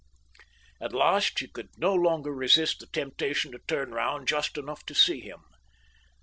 At last she could no longer resist the temptation to turn round just enough to see him.